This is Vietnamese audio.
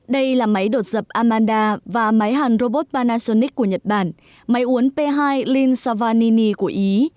đây là máy đột dập amanda và máy hàn robot panasonic của nhật bản máy uốn p hai lin savanini của ý